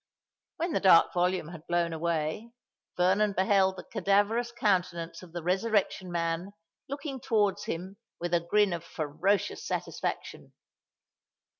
When the dark volume had blown away, Vernon beheld the cadaverous countenance of the Resurrection Man looking towards him with a grin of ferocious satisfaction.